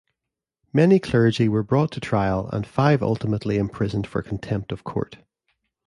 Many clergy were brought to trial and five ultimately imprisoned for contempt of court.